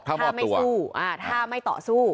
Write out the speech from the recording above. ถ้าไม่ต่อสู้